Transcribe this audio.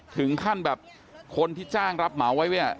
ถึงขั้นแบบคนที่จ้างรับเหมาไว้เนี่ย